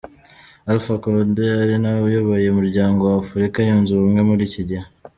Alpha Condé, ari nawe uyoboye umuryango w’Afurika yunze ubumwe muri iki gihe.